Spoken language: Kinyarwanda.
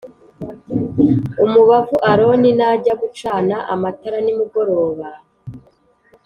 umubavu Aroni najya gucana amatara nimugoroba